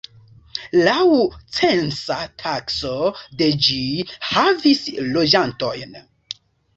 Laŭ censa takso de ĝi havis loĝantojn.